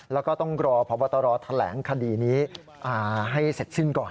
แล้วก็ต้องรอพบตรแถลงคดีนี้ให้เสร็จสิ้นก่อน